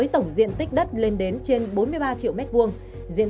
trên tuyến sông tiền